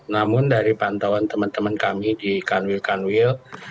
namun dari pantauan teman teman kami di kanwil kanwil